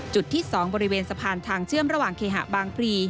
จุดที่๒บริเวณสะพานทางเชื่อมระหว่างเคหะบางพลี